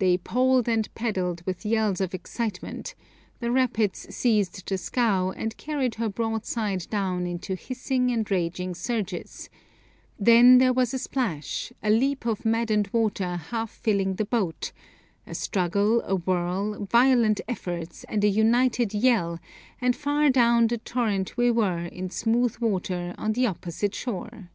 They poled and paddled with yells of excitement; the rapids seized the scow, and carried her broadside down into hissing and raging surges; then there was a plash, a leap of maddened water half filling the boat, a struggle, a whirl, violent efforts, and a united yell, and far down the torrent we were in smooth water on the opposite shore.